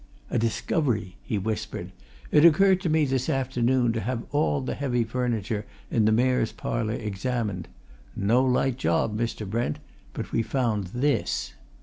"A discovery!" he whispered. "It occurred to me this afternoon to have all the heavy furniture in the Mayor's Parlour examined. No light job, Mr. Brent but we found this."